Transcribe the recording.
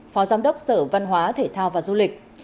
phó giám đốc sở văn hóa thể thao và du lịch